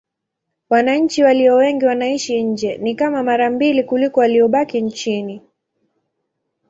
Wananchi walio wengi wanaishi nje: ni kama mara mbili kuliko waliobaki nchini.